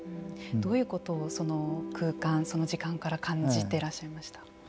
どういうことをその空間その時間から感じてらっしゃいました？